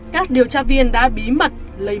các điều tra viên đã bí mật lấy